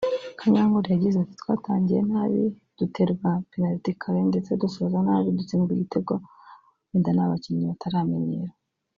Kanyankole yagize ati “Twatangiye nabi [duterwa penaliti kare] ndetse dusoza nabi [dutsindwa igitego] wenda ni abakinnyi bataramenyera